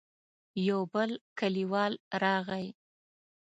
يو بل کليوال راغی.